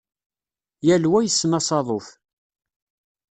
Yal wa yessen asaḍuf.